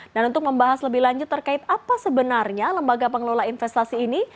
dan untuk membahas lebih lanjut terkait apa sebenarnya lembaga pengelolaan investasi ini